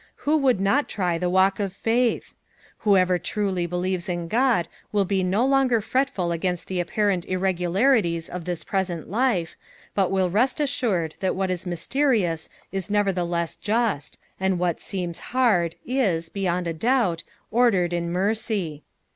Who would not try the walk of faith } Whoever truly believes in Ood will be no longer fretful against tbe apparent irregularities of this present life, but will rest assured that what is mysterious is nevertheless just, and what seems hard, is, beyond a doubt, ordered in mercy.